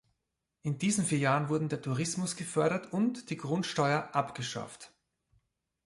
In diesen vier Jahren wurden der Tourismus gefördert und die Grundsteuer abgeschafft.